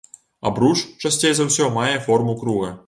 Абруч часцей за ўсе мае форму круга.